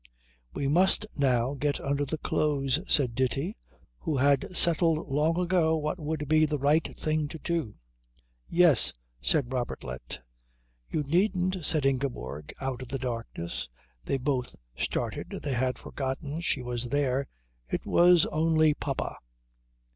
"We must now get under the clothes," said Ditti, who had settled long ago what would be the right thing to do. "Yes," said Robertlet. "You needn't," said Ingeborg out of the darkness they both started, they had forgotten she was there "it was only Papa."